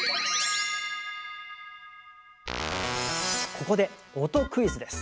ここで音クイズです！